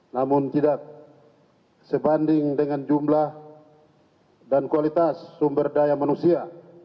namun tidak sebanding dengan jumlah dan kualitas sumber daya manusia